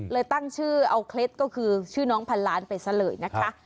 ตั้งชื่อเอาเคล็ดก็คือชื่อน้องพันล้านไปซะเลยนะคะ